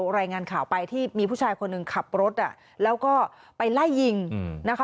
รายงานข่าวไปที่มีผู้ชายคนหนึ่งขับรถแล้วก็ไปไล่ยิงนะคะ